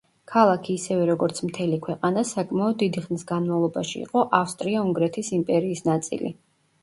ქალაქი, ისევე როგორც მთელი ქვეყანა, საკმაოდ დიდი ხნის განმავლობაში იყო ავსტრია-უნგრეთის იმპერიის ნაწილი.